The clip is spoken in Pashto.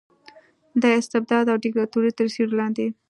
د استبداد او دیکتاتورۍ تر سیورې لاندې